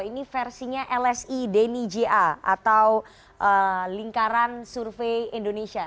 ini versinya lsi deni ja atau lingkaran survei indonesia